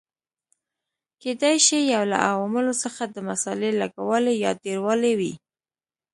کېدای شي یو له عواملو څخه د مسالې لږوالی یا ډېروالی وي.